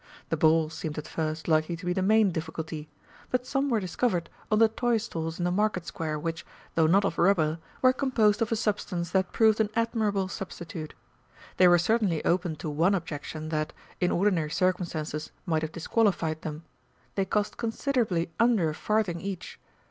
The balls seemed at first likely to be the main difficulty, but some were discovered on the toy stalls in the market square which, though not of rubber, were composed of a substance that proved an admirable substitute. They were certainly open to one objection that, in ordinary circumstances, might have disqualified them they cost considerably under a farthing each.